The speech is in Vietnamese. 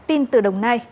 tin từ đồng nai